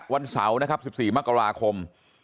วันเสาร์นะครับ๑๔มกราคม